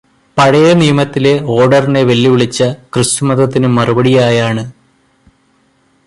പഴയനിയമത്തിലെ ഓര്ഡറിനെ വെല്ലുവിളിച്ച ക്രിസ്തുമതത്തിന് മറുപടിയായാണ്